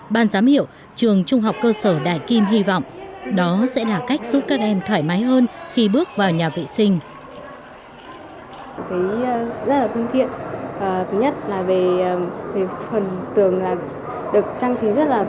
ban giám hiệu trường trung học cơ sở đại kim hy vọng đó sẽ là cách giúp các em thoải mái hơn khi bước vào nhà vệ sinh